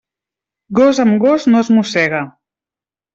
Gos amb gos no es mossega.